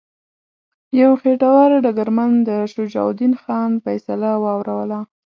یو خیټور ډګرمن د شجاع الدین خان فیصله واوروله.